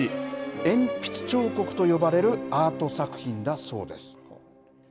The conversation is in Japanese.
鉛筆彫刻と呼ばれるアート作品だそうです。